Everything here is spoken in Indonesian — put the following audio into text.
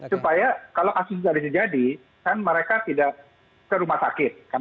supaya kalau kasus tadi jadi kan mereka tidak ke rumah sakit